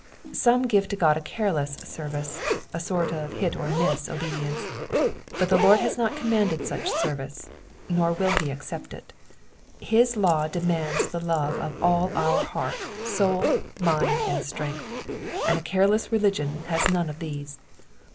Some give to God a careless service, a sort of liit or miss obedience, but the Lord has not commanded such service, nor will he accept it. His law demands the love of all our heart, soul, mind, and strength ; and a careless religion has none of these.